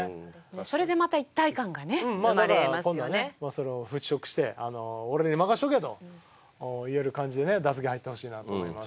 それを払拭して俺に任せとけと言える感じでね打席に入ってほしいなと思います。